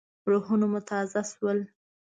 روحونه مو تازه شول.